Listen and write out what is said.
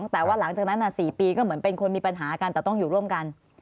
แต่ว่าหลังจากนั้น๔ปีก็เหมือนเป็นคนมีปัญหากันแต่ต้องอยู่ร่วมกัน